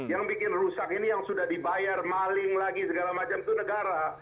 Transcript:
yang bikin rusak ini yang sudah dibayar maling lagi segala macam itu negara